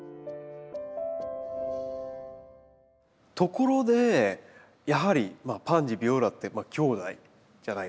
ところでやはりパンジービオラってきょうだいじゃないですか。